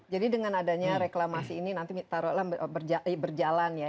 jadi dengan adanya reklamasi ini nanti taruhlah berjalan ya